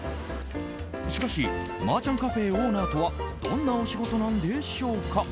しかし、麻雀カフェオーナーとはどんなお仕事なんでしょうか。